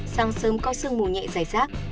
sang sớm có sương mù nhẹ dài rác